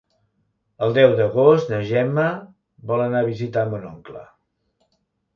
El deu d'agost na Gemma vol anar a visitar mon oncle.